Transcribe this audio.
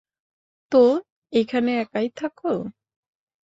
তো, এখানে একাই থাকো?